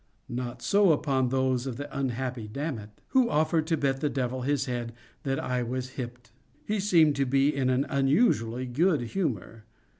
Not so upon those of the unhappy Dammit, who offered to bet the Devil his head that I was hipped. He seemed to be in an unusual good humor.